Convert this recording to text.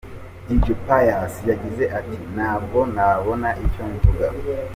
Dj Pius yagize ati: “Ntabwo nabona icyo mvuga.